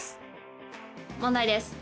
問題です。